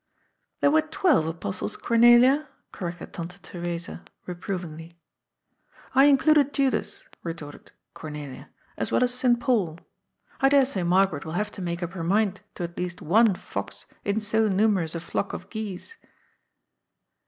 " There were twelve apostles, Cornelia," corrected Tante Theresa reprovingly. " I included Judas," retorted Cornelia, " as well as St. 310 CK)D'S FOOL. Panl. I dare say Margaret will hare to make up her mind to at least one fox in so numerous a flock of geese."